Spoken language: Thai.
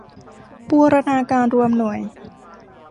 บูรณาการรวมหน่วย